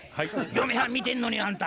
嫁はん見てんのにあんた。